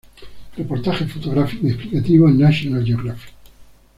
Reportaje fotográfico y explicativo en National Geographic.